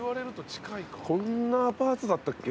こんなアパートだったっけ